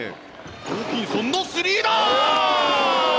ホーキンソンのスリーだ！